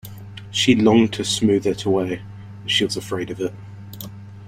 She longed to smooth it away, and she was afraid of it.